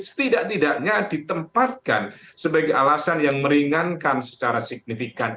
setidak tidaknya ditempatkan sebagai alasan yang meringankan secara signifikan